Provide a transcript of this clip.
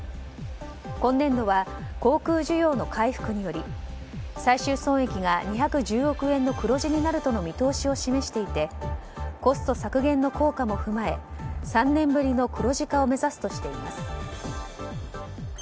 今年度は、航空需要の回復により最終損益が２１０億円の黒字になると見通しを示していてコスト削減の効果も踏まえ３年ぶりの黒字化を目指すとしています。